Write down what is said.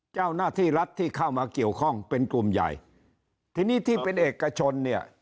เจ้าหน้าที่รัฐที่เข้ามาเกี่ยวข้องเป็นกลุ่มใหญ่ทีนี้ที่เป็นเอกชนเนี่ย